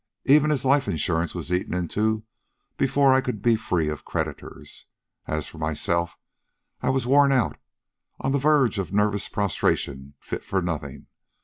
Even his life insurance was eaten into before I could be free of creditors. As for myself, I was worn out, on the verge of nervous prostration, fit for nothing.